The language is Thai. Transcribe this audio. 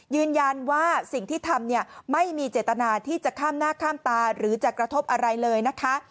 ยืนยันว่าสิ่งที่ทำเนี่ยไม่มีเจตนาที่จะข้ามหน้าข้ามตาหรือจะกระทบอะไรเลยนะคะ